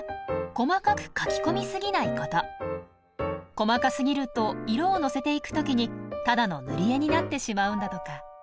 細かすぎると色をのせていく時にただの塗り絵になってしまうんだとか。